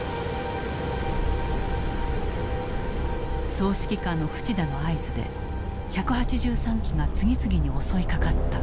総指揮官の淵田の合図で１８３機が次々に襲いかかった。